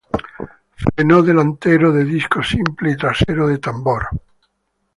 Freno delantero de disco simple y trasero de tambor.